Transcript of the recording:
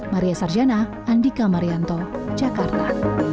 maria sarjana andika marianto jakarta